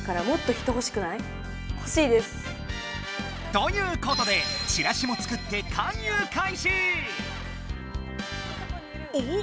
ということでチラシも作っておっ！